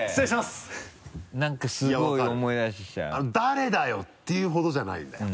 「誰だよ！」っていうほどじゃないんだよ。